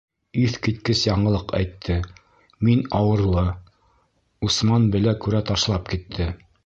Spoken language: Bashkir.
Иҫ киткес яңылыҡ әйтте: «Мин ауырлы, Усман белә-күрә ташлап китте».